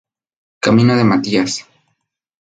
Camino de Matías